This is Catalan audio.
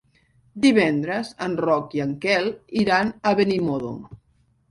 Divendres en Roc i en Quel iran a Benimodo.